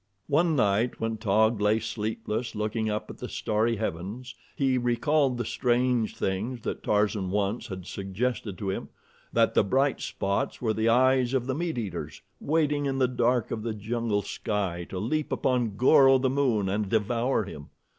One night when Taug lay sleepless looking up at the starry heavens he recalled the strange things that Tarzan once had suggested to him that the bright spots were the eyes of the meat eaters waiting in the dark of the jungle sky to leap upon Goro, the moon, and devour him.